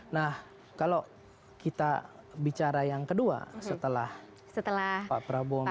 nah kalau kita bicara yang kedua setelah pak prabowo